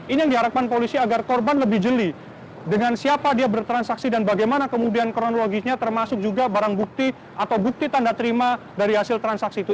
ini yang diharapkan polisi agar korban lebih jeli dengan siapa dia bertransaksi dan bagaimana kemudian kronologisnya termasuk juga barang bukti atau bukti tanda terima dari hasil transaksi itu